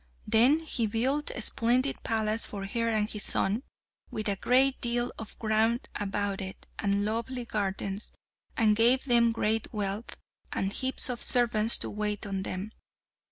Then he built a splendid palace for her and his son, with a great deal of ground about it, and lovely gardens, and gave them great wealth, and heaps of servants to wait on them.